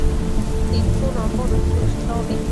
tsitsunombo dësbu chitobi